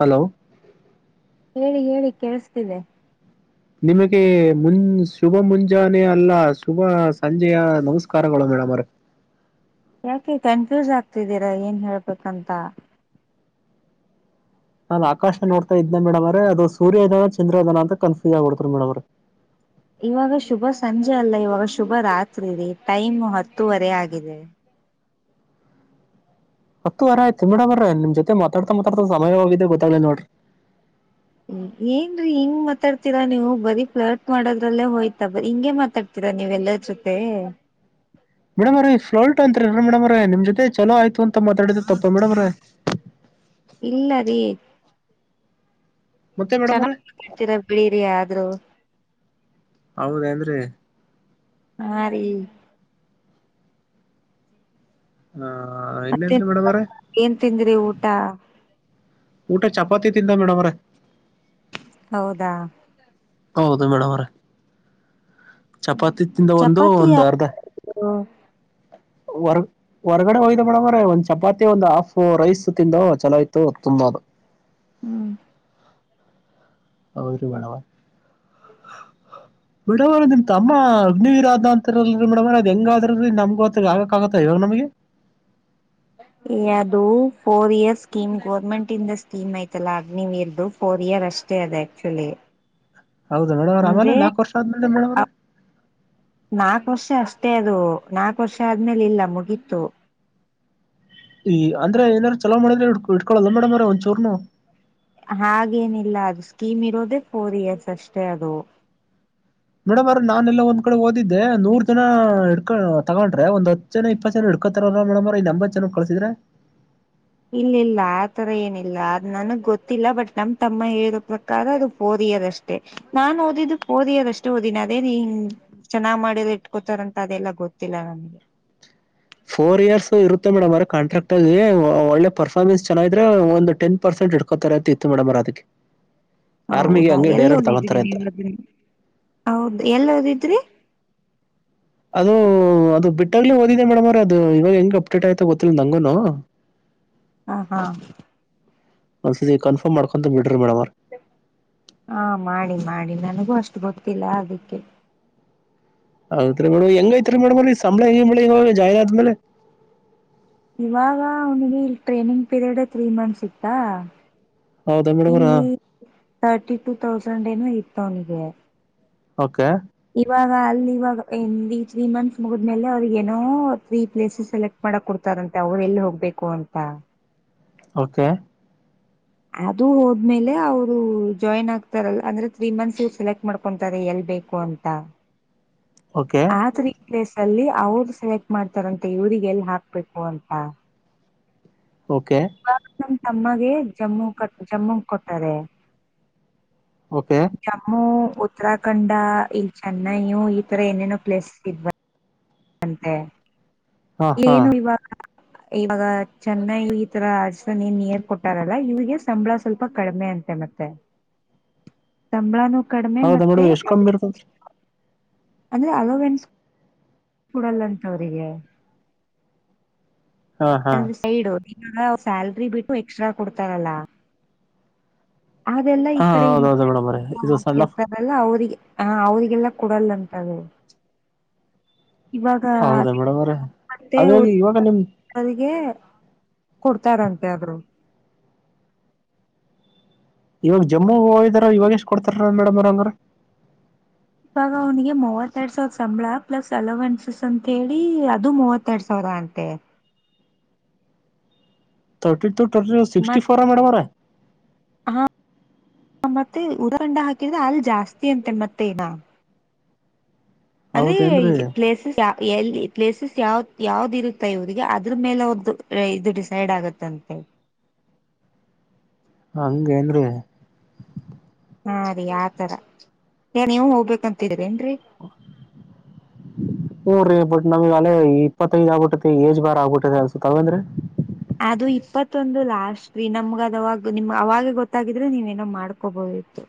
Hello ಹೇಳಿ ಹೇಳಿ ಕೇಳಿಸ್ತಿದೆ. ನಿಮಗೆ ಮುನ್ ಶುಭ ಮುಂಜಾನೆ ಅಲ್ಲ ಶುಭ ಸಂಜೆಯ ನಮಸ್ಕಾರಗಳು ಮೇಡಮ್ಮೊರೆ ಯಾಕೆ ಕನ್ಫ್ಯೂಸ್ ಆಗ್ತಿದ್ದೀರಾ ಏನ್ ಹೇಳ್ಬೇಕಂತ? ನಾನ್ ಆಕಾಶ ನೋಡ್ತಾ ಇದ್ನ ಮೇಡಮ್ಮೋರೆ ಅದು ಸೂರ್ಯ ಇದನ ಚಂದ್ರ ಇದನ ಅಂತ ಕನ್ಫ್ಯೂಸ್ ಆಗ್ಬಿಡ್ತು ರಿ ಮೇಡಮ್ಮೋರೆ. ಇವಾಗ ಶುಭ ಸಂಜೆ ಅಲ್ಲ ಇವಾಗ ಶುಭ ರಾತ್ರಿ ರೀ ಟೈಮ್ ಹತ್ತುವರೆ ಆಗಿದೆ. ಹತ್ತುವರೆ ಆಯ್ತ ರೀ ಮೇಡಮ್ಮೋರೆ ನಿಮ್ ಜೊತೆ ಮಾತಾಡ್ತಾ ಮಾತಾಡ್ತಾ ಸಮಯ ಹೋಗಿದ್ದೆ ಗೊತ್ತಾಗ್ಲಿಲ್ಲ ನೋಡ್ರಿ. ಹ್ಮ ಏನ್ರಿ ಹಿಂಗ್ ಮಾತಾಡ್ತೀರಾ ನೀವು ಬರೀ ಫ್ಲರ್ಟ್ ಮಾಡೋದ್ರಲ್ಲೇ ಹೋಯ್ತಾ ಬ ಹಿಂಗೆ ಮಾತಾಡ್ತೀರಾ ನೀವ್ ಎಲ್ಲರ ಜೊತೆ? ಅಂತೀರಲ್ರಿ ಮೇಡಮ್ಮೋರೆ ನಿಮ್ ಜೊತೆ ಚಲೋ ಆಯ್ತು ಅಂತ ಮಾತಾಡಿದ್ದೆ ತಪ್ಪಾ ಮೇಡಮ್ಮೋರೆ? ಇಲ್ಲ ರೀ ಮತ್ತೆ ಮೇಡಮ್ ಅವ್ರೆ [unintelligible] ಬಿಡೀರಿ ಆದ್ರು ಹೌದೇಂದ್ರೀ? ಹಾಂ ರೀ ಹಾಂ ಮತ್ [unintelligible] ಏನ್ ತಿಂದ್ರಿ ಊಟ? ಊಟ ಚಪಾತಿ ತಿಂದೆ ಮೇಡಮ್ಮೋರೆ. ಹೌದಾ? ಹೌದು ಮೇಡಮ್ಮೋರೆ. ಚಪಾತಿ ತಿಂದೆ ಒಂದು, ಚಪಾತಿ ಒಂದು ಯಾರು ಅರ್ಧ ಮಾಡಿದ್ರು? ಹೊರ್ ಹೊರ್ಗಡೆ ಹೋಯಿದ್ದೆ ಮೇಡಮ್ಮೋರೆ ಒಂದ್ ಚಪಾತಿ ಒಂದ್ ಹಾಫ್ ರೈಸ್ ತಿಂದು ಚಲೋ ಇತ್ತು, ತುಂಬಾ ಆದೊ. ಹ್ಮ್ ಅವರು [unintelligible] ಮೇಡಮ್ಮೋರೆ ನಿಮ್ ತಮ್ಮ ಅಗ್ನಿವೀರಾದ್ನ ಅಂತಾರಲ್ರಿ ಮೇಡಮ್ಮೋರೆ ಅದ್ ಹೆಂಗಾದ್ರು ರೀ ನಮಗೊತ್ತಿಲ್ರೀ ಆಗಕ್ ಆಗತ್ತ ಹೇಳಿ ನಮ್ಗೆ. ಇ ಅದು ಫೋರ್ ಇಯರ್ ಸ್ಕೀಮ್ ಗೋರ್ಮೆಂಟ್ ಇಂದ ಸ್ಕೀಮ್ ಅಯ್ತಲ್ಲ ಅಗ್ನಿವೀರ್ದುು ಫೋರ್ ಇಯರ್ ಅಷ್ಟೇ ಅದು ಆಕ್ಚುಯಲ್ಲಿ ಹೌದಾ ಮೇಡಮ್ಮೋರೆ ಆಮೇಲೆ ನಾಕ್ ವರ್ಷ ಆದ್ಮೇಲೆ ಮೇಡಮ್ಮೋರೆ ತ್ತೆ ಅದು ನಾಕ್ ವರ್ಷ ಆದ್ಮೇಲೆ ಇಲ್ಲ ಮುಗೀತು. ಈ ಅಂದ್ರೆ ಏನಾರು ಚಲೋ ಮಾಡಿದ್ರೆ ಇಟ್ಕೊಳಲ್ಲ ಮೇಡಮ್ಮೋರೆ ಒಂಚೂರ್ನು ಹಾಗೇನಿಲ್ಲ ಅದು ಸ್ಕೀಮ್ ಇರೋದೆೇ ಫೋರ್ ಇಯರ್ಸ್ ಅಷ್ಟೇ ಅದು. ಮೇಡಮ್ಮೋರೆ ನಾನೆಲ್ಲೊ ಒಂದ್ ಕಡೆ ಓದಿದ್ದೆ ನೂರ್ ಜನ ಹಿಡ್ಕ ತಗೊಂಡ್ರೆ ಒಂದ್ ಹತ್ ಜನ ಇಪ್ಪತ್ತು ಜನ ಹಿಡ್ಕೊತಾರರ ಮೇಡಮ್ಮೋರೆ ಇನ್ ಎಂಬತ್ ಜನ ಕಳ್ಸಿದ್ರೆ. ಇಲ್ಲಿಲ್ಲ ಆತರ ಏನಿಲ್ಲ, ಅದ್ ನನ್ಗ್ ಗೊತ್ತಿಲ್ಲ ಬಟ್ ನಮ್ ತಮ್ಮ ಹೇಳೋ ಪ್ರಕಾರ ಅದು ಫೋರ್ ಇಯರ್ ಅಷ್ಟೇ. ನಾನ್ ಓದಿದ್ದು ಫೋರ್ ಇಯರ್ ಅಷ್ಟೇ ಓದಿನಿ ಅದೇನ್ ಹಿಂಗ್ ಚೆನ್ನಾಗ್ ಮಾಡಿದ್ರ ಇಟ್ಕೋತಾರಂತ ಅದೆಲ್ಲಾ ಗೊತ್ತಿಲ್ಲ ನನ್ಗೆ ಫೋರ್ ಇಯರ್ಸ್ ಇರುತ್ತೆ ಮೇಡಮ್ಮೋರೆ ಕಾಂಟ್ರಾಕ್ಟಲ್ಲಿ ಒಳ್ಳೆ ಪರ್ಫಾರ್ಮೆನ್ಸ್ ಚೆನ್ನಾಗಿದ್ರೆ ಒಂದ್ ಟೆನ್ ಪರ್ಸೆಂಟ್ ಹಿಡ್ಕೋತಾರೆ ಅಂತ ಇತ್ತು ಮೇಡಮ್ಮೋರೆ ಅದಕ್ಕೆ. ಆರ್ಮಿಗೆ ಹೌದಾ ಹಂಗೆ ಡೈರೆಕ್ಟ್ ಎಲ್ಲೋದಿದ್ರಿ ತಗೊಂತಾರೆ ಅಂತ ನೀವದುನ್ ಹೌದ ಎಲ್ಲೋದಿದ್ರಿ? ಅದು ಅದು ಬಿಟ್ಟಾಗ್ಲೇ ಓದಿದ್ದೆ ಮೇಡಮ್ಮೋರೆ ಅದು ಇವಾಗ ಹೆಂಗ್ ಅಪ್ಡೇಟ್ ಆಯ್ತೋ ಗೊತ್ತಿಲ್ಲ ನಂಗೂನು. ಹಾಂ ಹಾಂ ಒಂದ್ಸತಿ ಕನ್ಫರ್ಮ್ ಮಾಡ್ಕೊಂತ ಬಿಡ್ರಿ ಮೇಡಮ್ ಅವ್ರೆ ಹಾಂ ಮಾಡಿ ಮಾಡಿ ನನಗೂ ಅಷ್ಟ್ ಗೊತ್ತಿಲ್ಲ ಅದುಕ್ಕೆ ಹೌದ್ರಿ ಮೇಡಮ್ಮೋರೆ ಹೆಂಗೈತ್ರಿ ಮೇಡಮ್ಮೋರೆ ಸಂಬಳ ಗಿಂಬ್ಳ ಇವಾಗ ಜಾಯಿನ್ ಆದ್ಮೇಲೆ ಇವಾಗ ಅವನಿಗೆ ಇಲ್ ಟ್ರೈನಿಂಗ್ ಪೀರಿಯಡ್ ತ್ರೀ ಮಂತ್ಸ್ ಇತ್ತಾ ಹೌದಾ ಮೇಡಮ್ ಅವ್ರ ಇಲ್ಲಿ ತರ್ಟಿ ಟು ತೌಸಂಡ್ ಏನೋ ಇ [unintelligible] ಓಕೆ. ಇವಾಗ ಅಲ್ಲಿವಾಗ ಏನೀ ತ್ರೀ ಮಂತ್ಸ್ ಮುಗಿದ್ಮೇಲೆ ಅವ್ರಿಗೆ ಏನೋ ತ್ರೀ ಪ್ಲೇಸಸ್ ಸೆಲೆಕ್ಟ್ ಮಾಡಕ್ ಕೊಡ್ತಾರಂತೆ ಅವರು ಎಲ್ ಹೋಗ್ಬೇಕು ಅಂತ ಓಕೆ ಅದು ಹೋದ್ಮೇಲೆ ಅವರು ಜಾಯಿನ್ ಆಗ್ತಾರಲ್ಲ ಅಂದ್ರೆ ತ್ರೀ ಮಂತ್ಸ್ ಸೆಲೆಕ್ಟ್ ಮಾಡ್ಕೊತಾರೆ ಎಲ್ ಬೇಕು ಅಂತ. ಓಕೆ ಆತ್ರಿ ಪ್ಲೇಸ್ ಅಲ್ಲಿ ಅವರು ಸೆಲೆಕ್ಟ್ ಮಾಡ್ತಾರಂತೆ ಇವ್ರಿಗೆ ಎಲ್ ಹಾಕ್ಬೇಕು ಅಂತ ಓಕೆ ನಮ್ಮಗೆ ಜಮ್ಮು ಕ ಜಮ್ಮು ಕೊಟ್ಟಾರೆ ಓಕೆ ಜಾಮು ಉತ್ತರಾಖಂಡ ಇಲ್ಲಿ ಚೆನ್ನೈು ಈ ತರ ಏನೇನೋ ಪ್ಲೇಸಸ್ ಇಬ ಅಂತ ಹಾ ಹಾ ಏನು ಇವಾಗ ಇವಾಗ ಚೆನ್ನಾಗಿ ಈ ತರ ಅ ನೀನ್ ನೀರ್ ಕೊಟ್ಟಾರಲ್ಲ ಇವಿಗೆ ಸಂಬಳ ಸ್ವಲ್ಪ ಕಡಿಮೆ ಅಂತೆ ಮತ್ತೆ ಸಂಬಳಾನ ಹೌದಾ ಮೇಡುವ ಎಷ್ಟ್ ಕಂಬಿ ಇರ್ತದ್ರೀ ಅಂದ್ರೆ ಅಲೋವೆೆನ್ಸ್ ಕೂಡಲ್ಲ ಅಂತವ್ರಿಗೆ ಹಾ ಹಾ ನ ಸೈಡ್ ಹಿ ಸ್ಯಾಲ್ರಿ ಬಿಟ್ಟು ಎಕ್ಸ್ಟ್ರಾ ಕೊಡ್ತಾರಲ್ಲ ಅದೆಲ್ಲ ಈ ಹಾ ಕಡೆ ಹೌದೌದು ಮೇಡಮ್ ಅವ್ರೆ ಇದು ಸಣ್ಣ ಹಾಕಿರ್ತಾರಲ್ಲ ಅವ್ರಿಗೆ ಹ ಅವರಿಗೆಲ್ಲ ಕೊಡಲ್ಲಂತದು ಇವಾಗ ಹೌದಾ ಮೇಡಮ ಮತ್ತೆ ಹಾಗದ ಇವಾಗ ನಿಮ್ ಅವರಿಗೆ ಕೊಡ್ತಾರಂತೆ ಆದ್ರರು ಇವಾಗ ಜಮ್ಮು ಹೋೋಗಿದಾರ ಇವಾಗ ಎಷ್ಟ ಕೊಡ್ತಾರ ಮೇಡಮ್ ಅವ್ರಂಗ್ರ ಇವಾಗ ಅವನಿಗೆ ಮೂವತ್ತರಡ್ ಸಾವಿರ ಸಂಬಳ ಪ್ಲಸ್ ಅಲವೆನ್ಸಸ್ ಅಂತ ಹೇಳಿ ಅದು ಮೂವತ್ತೆರಡ್ ಸಾವಿರ ಅಂತೆ ತರ್ಟಿ ಟ ಮತ್ ಸಿಕ್ಸ್ಟಿ ೋರ ಮೇಡಮ್ರ ಹ ಮತ್ತೆ ಉಡುಕಂಡ ಹಾಕಿದ್ರೆ ಅಲ್ ಜಾಸ್ತಿ ಅಂತೆ ಮತ್ತೆ ಅದೇ ಹೌದೇನ್ರಿ ಪ್ಲೇಸಸ್ ಎಲ್ಲಿ ಪ್ಲೇಸಸ್ ಯಾವ ಯಾವ್ದ ಇರುತ್ತೆ ಇವರಿಗೆ ಅದ್ರ ಮೇಲೆ ಒ ಇದು ಡಿಸೈಡ್ ಆಗತ್ತಂತೆ ಹಂಗೇ ಅಂದರೆ ಹಾ ರೀ ಆತರ ಏ ನೀವು ಹೋಗ್ಬೇಕಂತೀರಿರಿ ಹರ ಟ್ ನಮಗ್ ಅೇ ಇಪ್ಪತ್ತೈದು ಆಗ್ಬಿಟ್ಟೈ ಏಜ್ ಬಾರ ಆಗ್ಬಿಟ್ಟೈ ಅಸತಾವ ಅಂದ್ರೆ ಅದು ಇಪ್ಪತ್ತೊಂದು ಲಾಸ್ಟ್ ರೀ ನಮ್ಗದ ಅವಾಗ ನಿಮ್ ಅವಾಗ ಗೊತ್ತಾಗಿದ್ರೆ ನೀವೇನೋ ಮಾಡ್ಕೋಬೋತ್ತು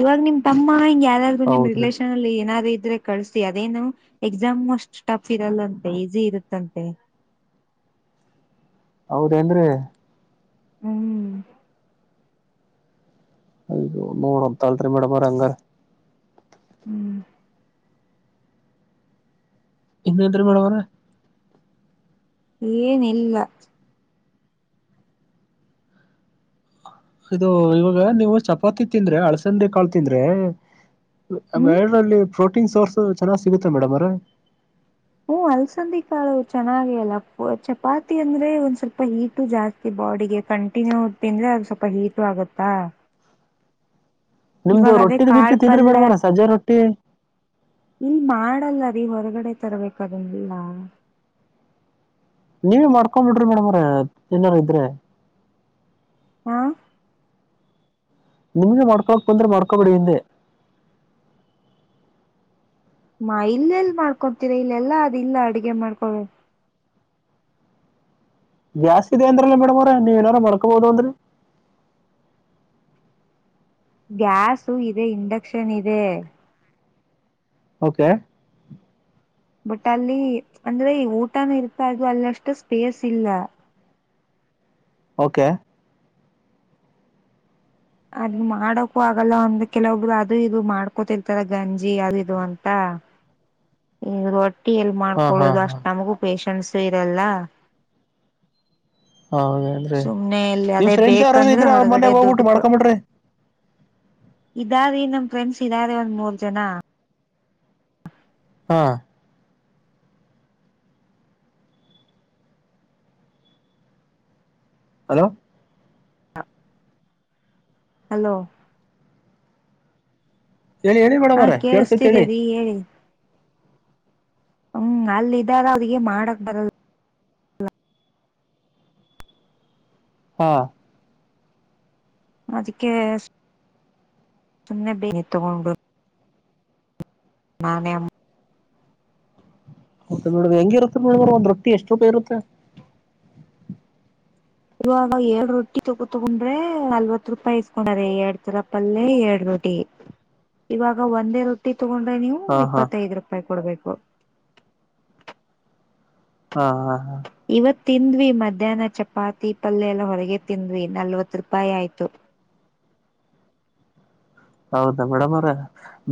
ಇವಾಗ ನಿಮ್ ತಮ್ಮ ನಿ ಯಾವ್ದಾದ್ರು ನಿಮ್ಮ ಹೌದ್ರಿ ರಿಲೇಷನ್ಲ್ಲಿ ಏನಾದ್ ಇದ್ರೆ ಕಳ್ಸತಿ ಅದೇನು ಎಕ್ಸಾಮ್ ಅಷ್ಟ ಟಫ್ ಇರಲ್ಲಂತೆ ಈಸಿ ಇರುತ್ತಂತೆ ಹೌದೇನ್ರಿ ಹ್ಮ್ ಅಯದು ನೋಡಂತ ಅಲ್ರಿ ಮೇಡಮ್ರ ಹಂಗಾರ ಹ್ಮ್ ಇನ್ನಾದ್ರ ಮಾಡವಾರ ಏನಲ್ಲ ಇದು ಇವಾಗ ನೀವು ಚಪಾತಿ ತಿಂದ್ರೆ ಅಳ್ಸಂದಿ ಕಾಳ ತಿಂದ್ರೆ ಹ್ಮ್ ಮೇಲ್ಲಿೋ ಪ್ರೋಟೀನ್ ಸೋರ್ಸ್ ಚೆನ್ನಾಗಿ್ ಸಿಗುತ್ತೆ ಮೇಡಮ್ ಅವರ ಹ್ಮ ಅಲ್ಸಂದಿ ಕಾಳು ಚೆನ್ನಾಗ ಅಲ್ಲ ಚಪಾತಿ ಅಂದ್ರೆ ಒಂದ್ ಸ್ವಲ್ಪ ಹೀಟು ಜಾಸ್ತಿ ಬಾಡಿಗೆ ಕಂಟಿನ್ಯೂ ತಿಂದ್ರೆ ಅದು ಸ್ವಲ್ಪ ಹೀಟು ಆಗತ್ತಾ ನಿಮ್ದು ರೊಿದ್ ಗಿಟ್ಟು ಕಾಳು ತಿಂದ್ರೆ ಪಲ್ಯ ಬಡವಾರ ಸಜ ರೊಟ್ಟಿ ಇಲ್ ಮಾಡಲ್ಲ ರೀ ಹೊರಗಡೆ ತರಬೇಕದಿಲ್ಲ ನೀವ ಮಾಡ್ಕೊಂಡ್ ಬಿಿಡ್ರಿ ಮೇಡಮ್ರ ಚನ್ನಾರ ಇದ್ರೆ ಹಾ ನಿಮ್ದ ಮಾಡ್ಕೋಕ್ ಬಂದ್ರೆ ಮಾಡ್ಕೋಬೇಡಿ ಹಿಂದೆ ಹ ಇಲ್ಲೆಲ್ ಮಾಡ್ಕೊತೀರಾ ಇಲ್ಲೆಲ್ಲಾ ಅದು ಇಲ್ಲ ಅಡುಗೆ ಮಾಡ್ಕೊ ಜಾಸ್ತಿ ಇದೆ ಅಂದ್ರಲ್ಲ ಮೇಡಮ್ ಅವ್ರ ನೀವ ಏನಾರು ಮ್ಕೋಬೋದು ಅಂದ್ರಿ ಗ್ಯಾಾಸು ಇದೆ ಇಂಡಕ್ಷನ್ ಇದೆ ಓಕೆ ಬಟ್ ಅಲ್ಲಿ ಅಂದ್ರೆ ಊಟನೂ ಇರ್ತಾ ಅದು ಅಲ್ಲಿಷ್ಟು ಸ್ಪೇಸ್ ಇಲ್ಲ ಓಕೆ ಅದ ಮಾಡಕೂ ಆಗಲ್ಲ ಒಂದ್ರ ಕೆಲವೊಬ್ರು ಅದು ಇದು ಮಾಡ್ಕೊತಿರ್ತಾರ ಗಂಜಿ ಅದು ಇದು ಅಂತ ಈ ಎಲ್ಲಿ ಹಾ ಹಾ ಮಾಡಕೊಳ್ಳುದುದು ಹಾ ಅಷ್ಟ ನಮಗ ಉಪ ಕಣಸು ಇರಲ್ಲ ಹೌದೇನ್್ರೀ ಸುಮ್ನೆ ಇಲ್ಲಿ ನಿಮ್ ಅದೇ ಫ್ರೆಂಡ್ಸ್ ಯಾರಾರ ಬೇಕಂದ್ರೆ ಇದ್ರೆ ಅವ್ರ ಮನ್ಯಾಗ ಹೋಗ್ಬಿಟ್ಟು ಮಾಡ್ಕೊಂಬಿಡ್ರಿ ಇದಾದೀ ನಮ್ ಫ್ರೆಂಡ್ಸ್ ಇದಾದ ಒಂದ್ ಮೂರ್ ಜನ ಹಾ ಹಲೋ ಹಲೋ ಹೇಳಿ ಹೇಳಿ ಹಾ ಬೇಡವರ ಕೇಳಳ್ಸತಿ ಕೇಳಿಸ್ತಿದೆ ಹೇಳಿ ರೀ ಹೇಳಿ ಹ್ಮ್ ಅಲ್ಲ ಇದಾರ ಅವ್ರಿಗೆ ಮಾಡಕ್ ಬರಲ್ ಹಾ ಅದಕ್ಕೆ ಸುಮ್ಮನೆ ಬೇಿ ತಗೊಂಡು ನಾನೇ ಹೌದ ನೋಡ ಹೆಂಗಿ ಇರುತ್ತರಿ ನೋಡ್ರ ಒಂದ್ ರೊಟ್ಟಿ ಎಷ್ಟ ರೂಪಾಯಿ ಇರುತ್ತೆ ಇವಾಗ ಎಏಡ್ ರೊಟ್ಟಿ ತಗೋ ತಗೊಂಡ್ರೆ ನಲ್ವತ್ ರೂಪಾಯಿ ಇಸ್ಕೊಂಡಾರೆ ಎರಡ್ ಚರಪಲ್ಲ ಎರಡ್ ರೊಟ್ಟಿ ಇವಾಗ ಒಂದೇ ರೊಟ್ಟಿ ತೊಗೊಂಡ್ರೆ ನೀವು ಹಾ ಹಾ ಇಪ್ಪತ್ತೈದು ರೂಪಾಯಿ ಕೊಡ್ಬೇಕು ಹಾ ಹಾ ಹಾ ಇವತ್ ತಿಂದ್ವಿ ಮಧ್ಯಾಹ್ನ ಚಪಾತಿ ಪಲ್ಯ ಎಲ್ಲ ಹೊರಗೆ ತಿಂದ್ವಿ ನಲ್ವತ್ ರೂಪಾಯಿ ಆಯ್ತು ಹೌದಾ ಮೇಡಮ್ರ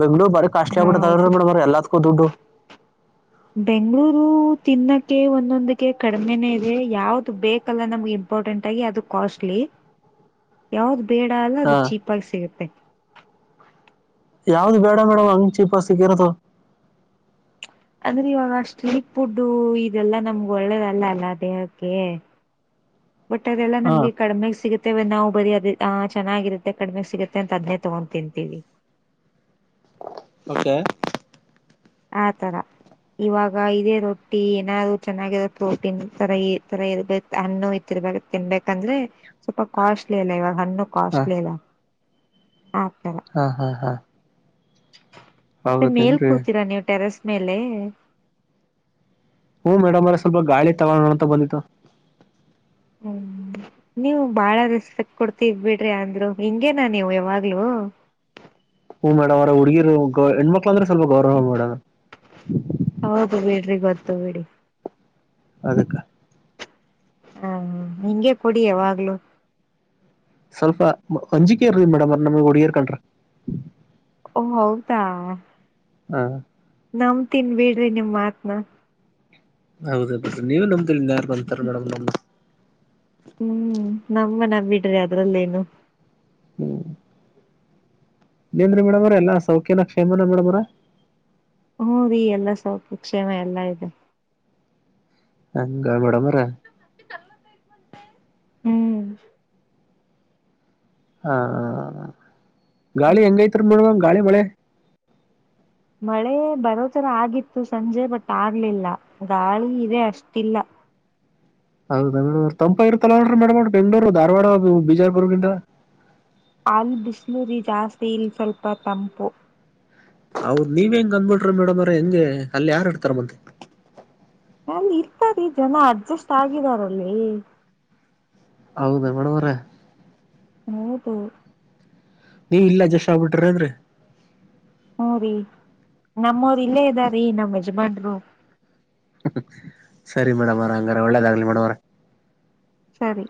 ಬೆಂಗ್ಳೂರು ಬಾರಿ ಕಾಶಟ್ಲಿ ಹೌದು ಆಗ್ಬಿಡ್ತೇಡ ಬರ ಎಲ್ಲತ್ ಕೂ ದುಡ್ಡು ಬೆಂಗಳೂರು ತಿನ್ನಕ್ಕೆ ಒಂದೊಂದಕ್ಕೆ ಕಡಿಮೆನ ಇದೆ ಯಾವ್ದು ಬೇಕಲ್ಲ ನಮ್ಗೆ ಇಂಪಾರ್ಟೆಂಟ್ ಆಗಿ ಅದು ಕಾಸ್ಟ್ಲಿ ಯಾವ್ದ ಬೇಡ ಅಲ್ಲ ಹಾ ಅದು ಚೀಪ್ ಆಗ ಸಿಗುತ್ತೆ ಯಾವ್ದ್ ಬೇಡ ಮೇಡಮ್ ಅಂಗ ಚಿಪಸ್ಕ್ಕಿರದು ಅಂದ್ರೆ ಇವಾಗ ಸ್ಟ್ರೀಟ್ ಫುಡ್ ಇದೆಲ್ಲ ನಮ್ಗೆ ಒಳ್ಳೇದಲ್ಲ ಅಲ್ಲ ದೇಹಕ್ಕೆ ಬಟ್ ಅದೆಲ್ಲಾ ಹಾ ನಮ್ಗೆ ಕಡಿಮೆಾಗ ಸಿಗುತ್ತೆ ನಾವು ಬರೀ ಅದ ಆ ಚೆನ್ನಾಗಿರುತ್ತೆ ಕಡಿಮೆಗೆ ಸಿಗುತ್ತೆ ಅಂತ ಅದನ್ನೇ ತಗೊಂಡು ತಿಂತೀವಿ [inaudible] [unintelligible] ಆ ತರ ಇವಾಗ ಇದೇ ರೊಟ್ಟಿ ಏನಾದ್ರೂ ಚೆನ್ನಾಗಿರೋ ಪ್ರೋಟೀನ್ ತರ ಈ ತರ ಇರಬೇಕು ಹಣ್ಣು ಇತ್ತಿರ್ಬೇಕ ತಿನ್ನಬೇಕು ಅಂದ್ರೆ ಸ್ವಲ್ಪ ಕಾಸ್ಟ್ಲಿ ಅಲ್ಲ ಇವಾಗ ಹಣ್ಣು ಹ ಕಾಸ್ಟ್ಲಿ ಇಲ್ಲ ಹಾ ಹಾ ಹಾ ಮತ್ತೆ ಮೇಲ್ ಹೌದೇಂದ್ರಿ ಕೂತೀರಾ ನೀವು ಟೆರೆಸ್ ಮೇಲೆ ಹೂ ಮೇಡಮ್ ಅವರೇ ಸ್ವಲ್ಪ ಗಾಳಿ ತಗೊಳೋಣ ಅಂತ ಬಂದಿದ್ದು ಹ್ಮ್ ನೀವು ಬಹಳ ರೆಸ್ಪೆಕ್ಟ್ ಕೊಡ್ತೀರಿ ಬಿಡ್ರಿ ಅಂದ್ರು ಹಿಂಗೇನಾ ನೀವು ಯಾವಾಗ್ಲೂ ಹೂ ಮೇಡಮ್ ಅವರೇ ಹುಡುಗಿರು ಹೆಣ್ಮಕ್ಕಳು ಅಂದ್ರೆ ಸ್ವಲ್ಪ ಗೌರವ ಮೇಡಮ್ ಹೌದು ಬಿಡ್ರಿ ಗೊತ್ತು ಬಿಡಿ ಅದಕ್ಕ ಹಾ ಹಿಂಗೆ ಕೊಡಿ ಯಾವಾಗ್ಲುೂ ಸ್ವಲ್ಪ ಅಂಜಿಕೆರಿ ಮೇಡಮ್ ನಮಗ್ ಹುಡುಗರ್ಕಂಡ್ರ ಓ ಹೌದಾ ಹಾ ನಂಬತಿನಿ ಬಿಡ್ರಿ ನಿಮ್ ಮಾತ್ನಾ ಹೌದ ಬಿಡ್ರಿ ನೀವು ನಮ್ದಲೇ ಇನ್ಯಾರ್ ನಂಬುತ್ತಾರೆ ಮೇಡಂ ನಮ್ಮನ್ನ ಹ್ಮ್ ನಮ್ಮನ್ನ ಬಿಡ್ರಿ ಅದ್ರಲ್ಲೇನು ಹ್ಮ್ ಹಿನ್ನೆಂದ್ರಿ ಮೇಡಮ್ ಅವರೇ ಎಲ್ಲ ಸೌಖ್ಯನಾ ಕ್ಷೇಮನಾ ಮೇಡಮ್ರೇ ಹ್ಮ ರೀ ಎಲ್ಲ ಸೌಖ್ಯ ಕ್ಷೇಮ ಎಲ್ಲಾ ಇದೆ ಹಂಗ ಮೇಡಮರ ಹ್ಮ್ ಹಾ ಗಾಳಿ ಹೆಂಗ ಐತ್ರಿ ಮೇಡಮ್ ಗಾಳಿ ಮಳೆ ಮಳೆ ಬರೋತರ ಆಗಿತ್ತು ಸಂಜೆ ಬಟ್ ಆಗ್ಲಿಲ್ಲ ಗಾಳಿ ಇದೆ ಅಷ್ಟಿಲ್ಲ ಹೌಧೇನ ತಂಪು ಇರುತ್ತಲ್ವಾ ಮೇಡಮ್ ಅವರೇ ಬೆಂಗಳೂರು ಧಾರವಾಡ ಬಿಜಾಪುರ ಗಿಂತ ಅಲ್ ಬಿಸಿಲುೂರಿ ಜಾಸ್ತಿ ಇಲ್ ಸ್ವಲ್ಪ ತಂಪು ಅವದ್ ನೀವ ಹೆಂಗ್ ಅಂದಬಿಟ್ರಿ ಮೇಡಮ್ ಹೆಂಗೆ ಅಲ್ಲಿ ಯಾರ್ ಇರ್ತಾರೆ ಮತ್ತೆ ಅಲ್ಲಿ ಇರ್ತಾರೆ ಜನ ಅಡ್ಜಸ್ಟ್ ಆಗಿದಾರಲ್ಲಿ ಹೌದಾ ಮೇಡಮ್ ಅವ್ರೆ ಹೌದು ನೀವು ಇಲ್ಲ ಜಷ್ಟ್ ಆಗ್ಬಿಟ್ರ ಏನ್ರೀ ಹ್ಮ ರಿ ನಮ್ಮೂರ್ ಇಲ್ಲೇ ಇದ್ದಾರೀ ನಮ್ಮ್ ಯಜಮಾನ್ರು ಸರಿ ಮೇಡಮ್ರ ಹಂಗಾರ ಒಳ್ಳೆದಾಗಲಿ ಮೇಡಮ್ರ ಸರಿ